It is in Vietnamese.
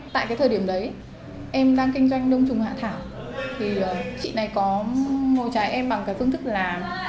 tại cái thời điểm đấy em đang kinh doanh đông trùng hạ thảo thì chị này có ngồi trái em bằng cái phương thức là